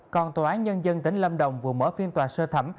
còn tòa án nhân dân tỉnh lâm đồng vừa mở phiên tòa sơ thẩm